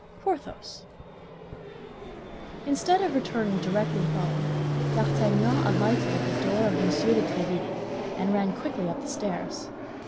PORTHOS Instead of returning directly home, D'Artagnan alighted at the door of M. de Tréville, and ran quickly up the stairs.